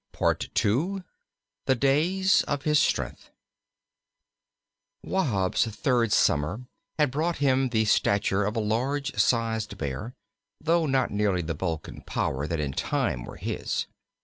PART II THE DAYS OF HIS STRENGTH I Wahb's third summer had brought him the stature of a large sized Bear, though not nearly the bulk and power that in time were his.